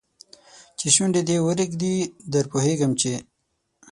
چې شونډي دې ورېږدي در پوهېږم چې